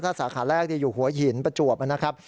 ถ้าสาขาแรกอยู่หัวหินประจวบนะครับ